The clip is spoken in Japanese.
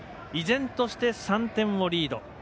依然として３点をリード。